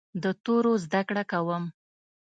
د تورو زده کړه کوم.